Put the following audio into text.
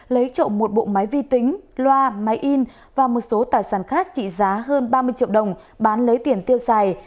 lấy trộm một bộ máy vi tính loa máy in và một số tài sản khác trị giá hơn ba mươi triệu đồng bán lấy tiền tiêu xài